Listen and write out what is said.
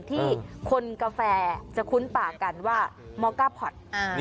ที่คนกาแฟจะคุ้นปากกันว่ามอก้าพอร์ต